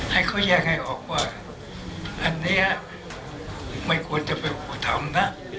ให้เขาแยกให้ออกว่าอันนี้ไม่ควรจะเป็นผู้ทำนะ